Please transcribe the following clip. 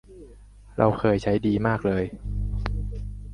เราเคยใช้ดีมากเลย